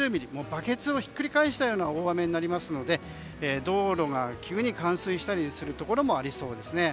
バケツをひっくり返したような大雨になりますので道路が急に冠水したりするところもありそうですね。